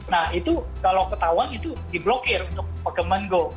nah itu kalau ketahuan itu diblokir untuk pokemon go